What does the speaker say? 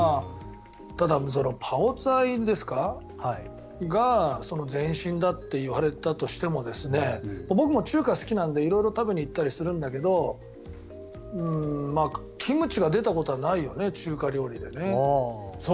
ただ、パオツァイが前身だって言われたとしても僕も中華好きなので色々食べに行ったりするんだけどキムチが出たことはないよね中華料理でね。